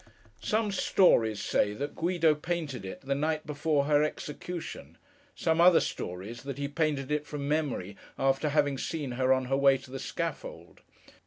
Some stories say that Guido painted it, the night before her execution; some other stories, that he painted it from memory, after having seen her, on her way to the scaffold.